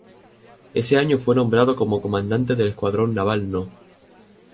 Ese año fue nombrado como comandante del escuadrón naval no.